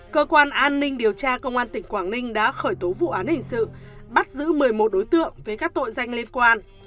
cơ quan an ninh điều tra công an tỉnh quảng ninh đã khởi tố vụ án hình sự bắt giữ một mươi một đối tượng về các tội danh liên quan